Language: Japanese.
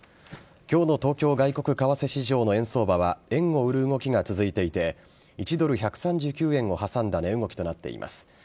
今日の東京外国為替市場の円相場は円を売る動きが続いていて１ドル１３９円を挟んだ値動きとなっています。